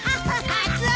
カツオ。